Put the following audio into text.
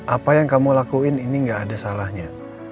apa yang kamu lakuin ini gak ada salahnya